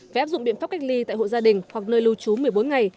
phải áp dụng biện pháp cách ly tại hộ gia đình hoặc nơi lưu trú một mươi bốn ngày